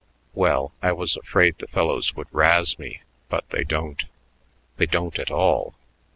"Well, I was afraid the fellows would razz me. But they don't. They don't at all.